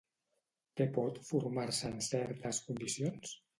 Què pot formar-se en certes condicions?